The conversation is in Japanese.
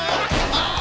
ああ！